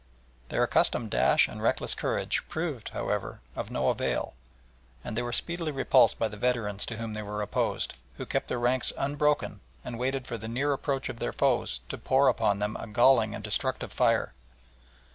Their accustomed dash and reckless courage proved, however, of no avail, and they were speedily repulsed by the veterans to whom they were opposed, who kept their ranks unbroken, and waited for the near approach of their foes to pour upon them a galling and destructive fire.